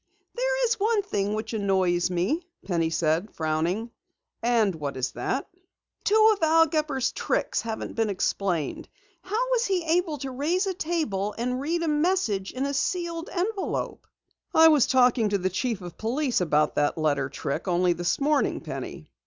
"There's one thing which annoys me," Penny said, frowning. "And what is that?" "Two of Al Gepper's tricks haven't been explained. How was he able to raise a table and read a message in a sealed envelope?" "I was talking to the Chief of Police about that letter trick only this morning, Penny.